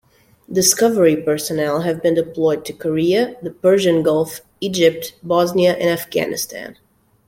"Discovery" personnel have been deployed to Korea, the Persian Gulf, Egypt, Bosnia and Afghanistan.